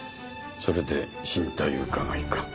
それで進退伺か。